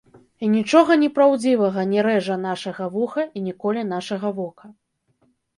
І нічога непраўдзівага не рэжа нашага вуха і не коле нашага вока.